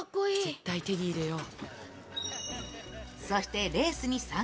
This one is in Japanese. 絶対手に入れよう。